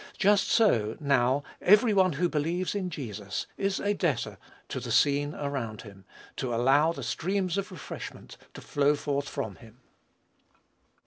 Just so, now, every one who believes in Jesus, is a debtor to the scene around him, to allow the streams of refreshment to flow forth from him.